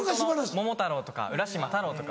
『桃太郎』『浦島太郎』とか。